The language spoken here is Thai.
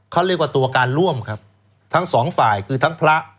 เขาเรียกว่าตัวการร่วมครับทั้งสองฝ่ายคือทั้งพระ